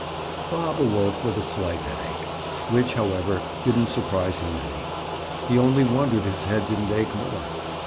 Bob awoke with a slight headache, which, however, didn't surprise him any. He only wondered his head didn't ache more.